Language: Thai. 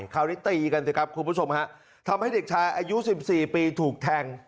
คราวนี้ตีกันสิครับคุณผู้ชมฮะทำให้เด็กชายอายุ๑๔ปีถูกแทง